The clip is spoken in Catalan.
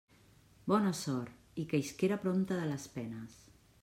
Bona sort i que isquera prompte de les penes!